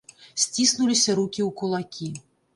Сціснуліся рукі ў кулакі.